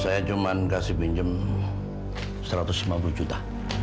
saya cuma kasih pinjam satu ratus lima puluh juta